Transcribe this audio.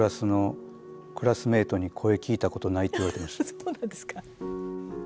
そうなんですか。